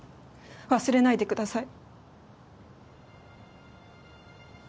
忘れないでください